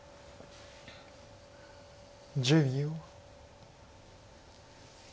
１０秒。